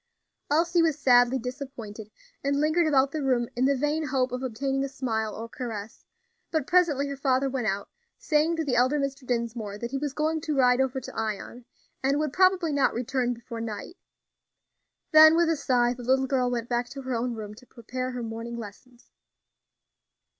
Elsie was sadly disappointed, and lingered about the room in the vain hope of obtaining a smile or caress; but presently her father went out, saying to the elder Mr. Dinsmore that he was going to ride over to Ion, and would probably not return before night; then, with a sigh, the little girl went back to her own room to prepare her morning lessons.